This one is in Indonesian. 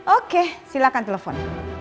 oke silakan telefon